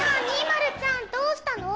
まるちゃんどうしたの？